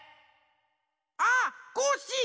あっコッシー！